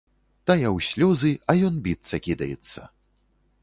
Тая ў слёзы, а ён біцца кідаецца.